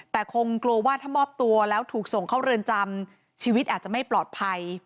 แต่คงกลัวว่าถ้ามอบตัวแล้วถูกส่งเข้าเรือนจำชีวิตอาจจะไม่ปลอดภัย